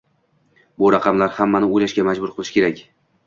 Bu raqamlar hammani o'ylashga majbur qilishi kerak